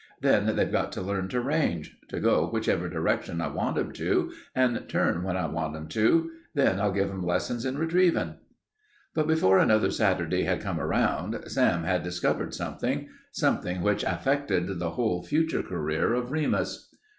Then they've got to learn to range to go whichever direction I want 'em to and turn when I want 'em to. Then I'll give 'em lessons in retrievin'." But before another Saturday had come around, Sam had discovered something something which affected the whole future career of Remus.